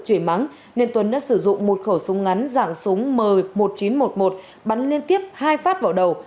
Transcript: chửi mắng nên tuấn đã sử dụng một khẩu súng ngắn dạng súng m một nghìn chín trăm một mươi một bắn liên tiếp hai phát vào đầu